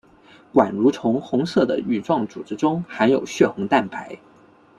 管蠕虫红色的羽状组织中含有血红蛋白。